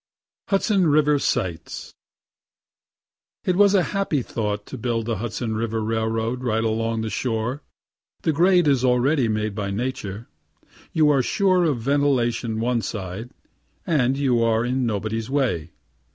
HUDSON RIVER SIGHTS It was a happy thought to build the Hudson river railroad right along the shore. The grade is already made by nature; you are sure of ventilation one side and you are in nobody's way.